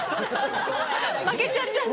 負けちゃったんだ。